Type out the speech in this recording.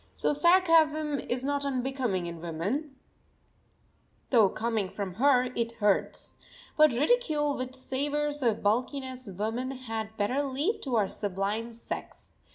So sarcasm is not unbecoming in woman, though coming from her it hurts. But ridicule which savours of bulkiness woman had better leave to our sublime sex.